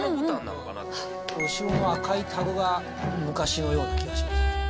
後ろの赤いタブが昔のような気がします。